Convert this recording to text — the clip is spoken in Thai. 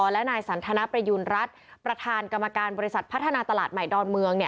และนายสันทนประยูณรัฐประธานกรรมการบริษัทพัฒนาตลาดใหม่ดอนเมือง